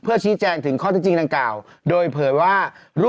น้ำชาชีวนัทครับผมโพสต์ขอโทษทำเข้าใจผิดหวังคำเวพรเป็นจริงนะครับ